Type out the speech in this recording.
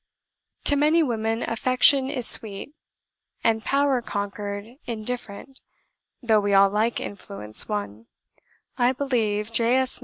To many women affection is sweet, and power conquered indifferent though we all like influence won. I believe J. S.